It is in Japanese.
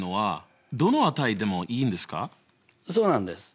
そうなんです。